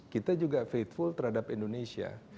kita juga faithful terhadap indonesia